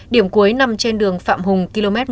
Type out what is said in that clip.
điểm cuối nằm trên đường phạm hùng